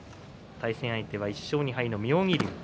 対戦相手は１勝２敗の妙義龍。